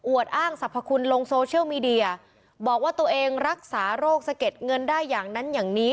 อ้างสรรพคุณลงโซเชียลมีเดียบอกว่าตัวเองรักษาโรคสะเก็ดเงินได้อย่างนั้นอย่างนี้